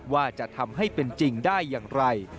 ว่าจะทำให้เป็นจริงได้อย่างไร